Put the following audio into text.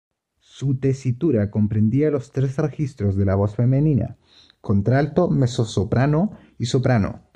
Su tesitura comprendía los tres registros de la voz femenina, contralto, mezzosoprano, y soprano.